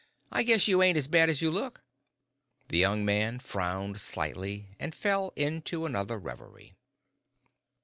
"I guess you ain't as bad as you look." The young man frowned slightly, and fell into another reverie.